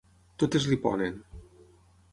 Totes li ponen.